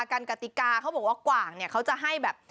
กันกติกาเขาบอกว่ากว่างเนี่ยเขาจะให้แบบ